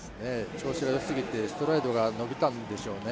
調子がよすぎてストライドが伸びたんでしょうね。